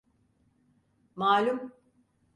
Malum...